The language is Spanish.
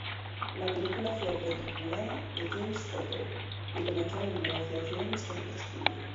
La película fue retitulada "The King's Daughter", y comenzaron negociaciones con otro estudio.